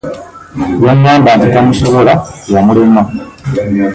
Yaŋŋamba nti tamusobola yamulema.